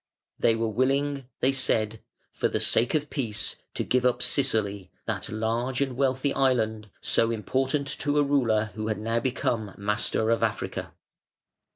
"They were willing", they said, "for the sake of peace to give up Sicily, that large and wealthy island, so important to a ruler who had now become master of Africa".